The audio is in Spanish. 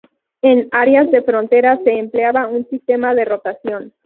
En áreas de frontera se empleaba un sistema de rotación.